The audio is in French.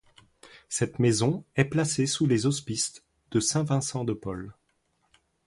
Cette maison est placée sous les auspices de saint Vincent de Paul.